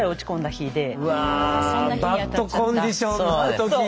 バッドコンディションの時に。